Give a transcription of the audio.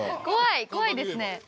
怖いですね。